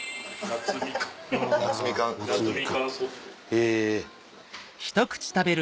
へぇ。